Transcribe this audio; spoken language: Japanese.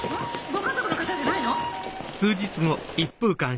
ご家族の方じゃないの？